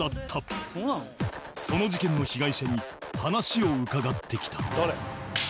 その事件の被害者に話を伺ってきた